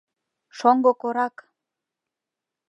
— Шоҥго корак!